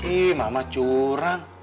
eh mama curang